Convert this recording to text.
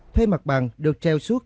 thuê mặt bằng được treo suốt